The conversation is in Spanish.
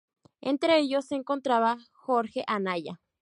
Entre ellos se encontraba Jorge Anaya.